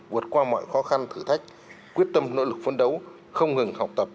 vượt qua mọi khó khăn thử thách quyết tâm nỗ lực phấn đấu không ngừng học tập